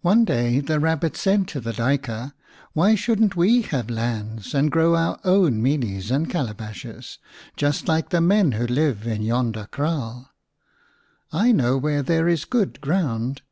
One day the Rabbit said to the Duyker, "Why shouldn't we have lands and grow our own mealies and calabashes, just like the men who live in yonder kraal ? I know where there is good ground."